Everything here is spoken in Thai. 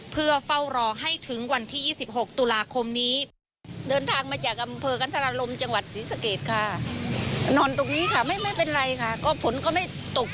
เพื่อเฝ้ารอให้ถึงวันที่๒๖ตุลาคมนี้